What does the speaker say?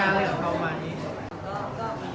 ก็แกขนาดเสร็จจะมานี่